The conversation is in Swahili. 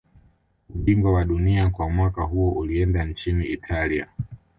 Ubingwa wa dunia kwa mwaka huo ulienda nchini italia